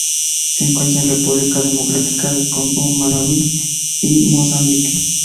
Se encuentra en República Democrática del Congo Malaui y Mozambique.